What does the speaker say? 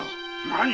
何？